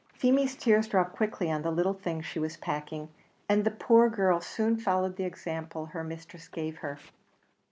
Feemy's tears dropped quickly on the little things she was packing, and the poor girl soon followed the example her mistress gave her.